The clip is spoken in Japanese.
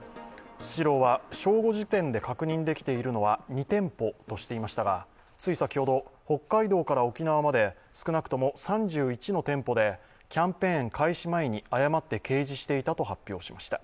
スシローは正午時点で確認できているのは２店舗としていましたが、つい先ほど、北海道から沖縄まで少なくとも３１の店舗でキャンペーン開始前に誤って掲示していたと発表しました。